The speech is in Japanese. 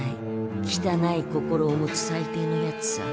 きたない心を持つ最低のやつさ。